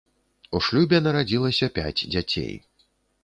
У шлюбе нарадзілася пяць дзяцей.